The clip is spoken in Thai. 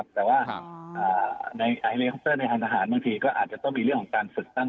แต่ว่าในเลคอปเตอร์ในทางทหารบางทีก็อาจจะต้องมีเรื่องของการฝึกตั้ง